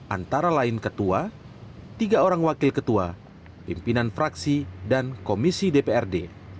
antara lain ketua tiga orang wakil ketua pimpinan fraksi dan komisi dprd